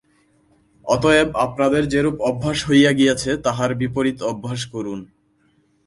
অতএব আপনাদের যেরূপ অভ্যাস হইয়া গিয়াছে, তাহার বিপরীত অভ্যাস করুন।